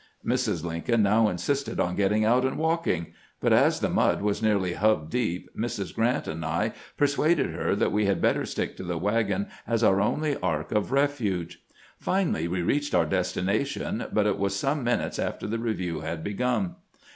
Mrs. Lincoln now insisted on getting out and walking ; but as the mud was nearly hub deep, Mrs. Grant and I persuaded her that we had better stick to the wagon as our only ark of refuge. Finally we reached our desti nation, but it was some minutes after the review had begun.